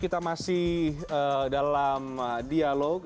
kita masih dalam dialog